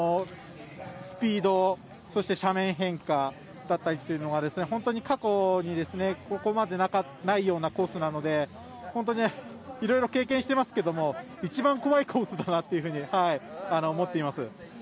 スピード、斜面変化だったりが本当に過去にここまでないようなコースなので本当に、いろいろ経験していますが一番怖いコースだなと思っています。